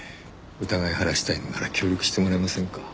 疑い晴らしたいのなら協力してもらえませんか？